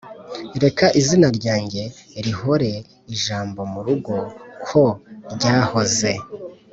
reka izina ryanjye rihore ijambo murugo ko ryahoze.